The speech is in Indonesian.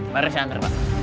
mari saya angker pak